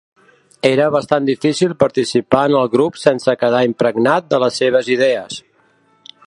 Era bastant difícil participar en el grup sense quedar impregnat de les seves idees.